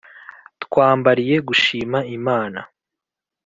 twambariye gushima imana